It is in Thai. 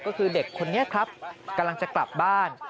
ก็คือเด็กคนนี้ครับกำลังจะกลับบ้าน